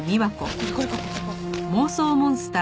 これこれこれ。